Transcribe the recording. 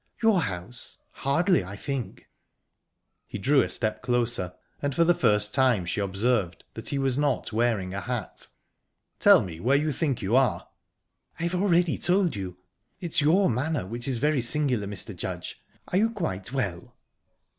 "Your house? Hardly, I think." He drew a step closer, and for the first time she observed that he was not wearing a hat. "Tell me where you think you are?" "I have already told you. It is your manner which is very singular, Mr. Judge. Are you quite well?".